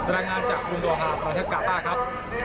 รายงานจากวงตัวหาดนาฬิกาต้าครับ